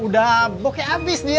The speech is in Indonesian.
udah bokeh abis dia